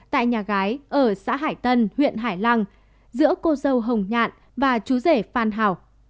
tại nhà gái ở xã hải tân huyện hải lăng giữa cô dâu hồng nhạn và chú rể phan hảo